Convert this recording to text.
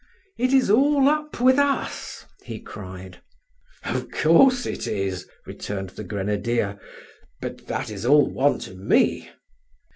"It is all up with us!" he cried. "Of course it is," returned the grenadier; "but that is all one to me."